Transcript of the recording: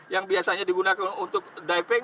yang biasanya digunakan untuk diving